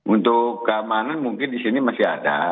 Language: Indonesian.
untuk keamanan mungkin di sini masih ada